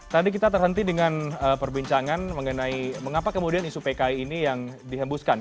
tadi kita terhenti dengan perbincangan mengenai mengapa kemudian isu pki ini yang dihembuskan